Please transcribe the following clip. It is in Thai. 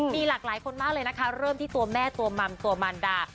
มีหลากหลายคนมากเลยนะคะเริ่มที่ตัวแม่ตัวมัมตัวมันดา